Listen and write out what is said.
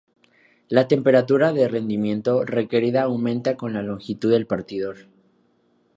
La temperatura de derretimiento requerida aumenta con la longitud del partidor.